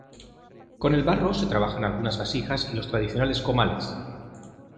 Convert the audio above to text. Con el barro se trabajan algunas vasijas y los tradicionales comales.